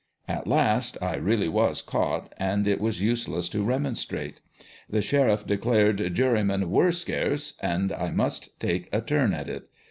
At last I really was caught, and it was useless to remonstrate. The sheriff declared " jury men were scarce, and I must just take a turn at it."